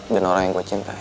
dan orang yang gue cintai